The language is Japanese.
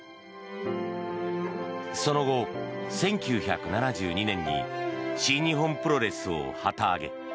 その後、１９７２年に新日本プロレスを旗揚げ。